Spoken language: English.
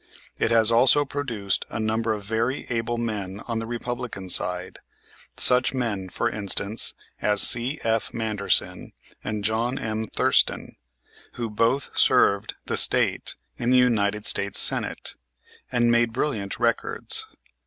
It has also produced a number of very able men on the Republican side, such men, for instance, as C.F. Manderson, and John M. Thurston, who both served the State in the United States Senate, and made brilliant records.